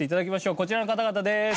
こちらの方々です。